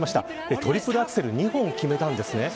トリプルアクセル２本決めたんですね。